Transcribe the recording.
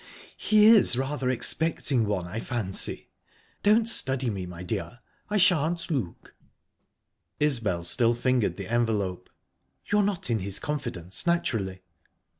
"He is rather expecting one, I fancy. Don't study me, my dear I shan't look." Isbel still fingered the envelope. "You're not in his confidence, naturally?"